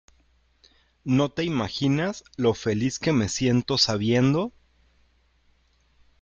no te imaginas lo feliz que me siento sabiendo